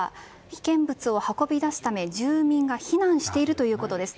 危険物を運び出すため住民が避難しているということです。